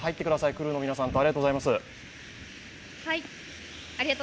クルーの皆さんありがとうございます。